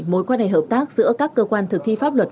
mối quan hệ hợp tác giữa các cơ quan thực thi pháp luật